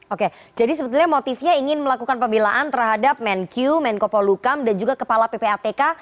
oke jadi sebetulnya motifnya ingin melakukan pemilaan terhadap menkyu menko polukam dan juga kepala ppatk